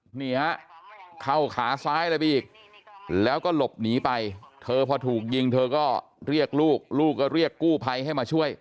เหนียวเข้าขาซ้ายแล้วอีกแล้วก็หลบหนีไป